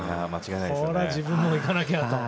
これは自分も行かなきゃと。